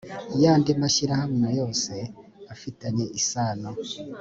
yandi mashyirahamwe yose afitanye isano